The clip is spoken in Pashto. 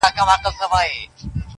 نن رستم د افسانو په سترګو وینم،